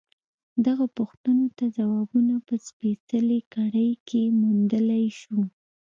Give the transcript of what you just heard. دغو پوښتنو ته ځوابونه په سپېڅلې کړۍ کې موندلای شو.